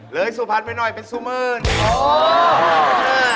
หลายสุพรรณไปหน่อยเป็นสุมึ่นน่ะ